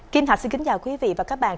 kim thạch xin kính chào quý vị và các bạn